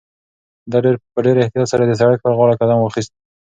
ده په ډېر احتیاط سره د سړک پر غاړه قدم واخیست.